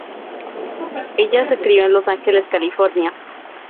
Ella se crio en Los Ángeles, California.